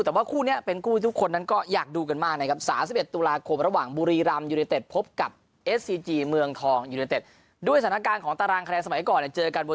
แต่ว่าคู่นี้เป็นคู่ที่ทุกคนนั้นก็อยากดูกันมากนะครับ